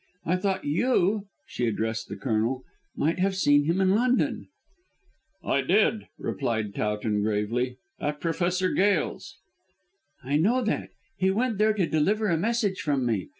I thought you," she addressed the Colonel, "might have seen him in London." "I did," replied Towton gravely; "at Professor Gail's." "I know that; he went there to deliver a message from me.